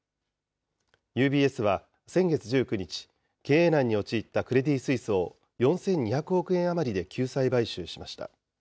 ＵＢＳは先月１９日、経営難に陥ったクレディ・スイスを４２００億円余りで救済買収しました。